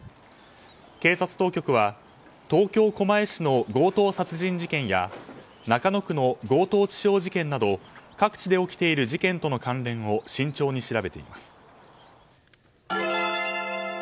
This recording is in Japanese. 警察当局は、東京・狛江市の強盗殺人事件や中野区の強盗致傷事件など各地で起きている事件との関連を慎重に調べています。